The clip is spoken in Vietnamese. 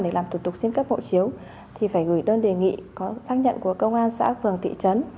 để làm thủ tục trên cấp hộ chiếu thì phải gửi đơn đề nghị có xác nhận của công an xã phường thị trấn